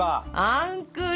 アンクル！